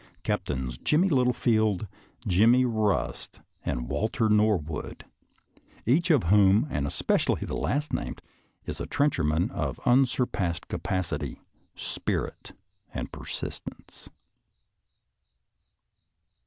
Cap tains Jimmie Littlefield, Jimmie Bust and Wal ter Norwood, each of whom, and especially the last named, is a trencherman of unsurpassed ca pacity, spirit and persistence.